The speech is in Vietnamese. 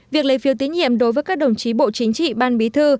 việc lấy phiếu tín nhiệm đối với các đồng chí bộ chính trị ban bí thư